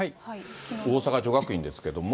大阪女学院ですけれども。